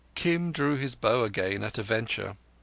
Kim drew his bow again at a venture.